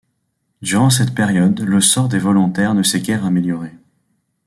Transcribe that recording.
Durant cette période le sort des volontaires ne s’est guère amélioré.